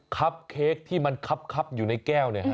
เค้กที่มันคับอยู่ในแก้ว